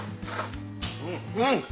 うん！